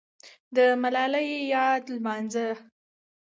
د ملالۍ یاد لمانځه.